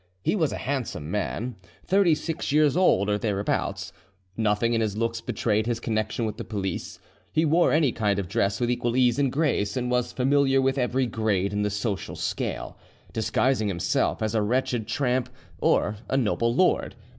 He was a handsome man, thirty six years old or thereabouts: nothing in his looks betrayed his connection with the police; he wore any kind of dress with equal ease and grace, and was familiar with every grade in the social scale, disguising himself as a wretched tramp or a noble lord.